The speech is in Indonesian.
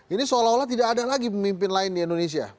ini seolah olah tidak ada lagi pemimpin lain di indonesia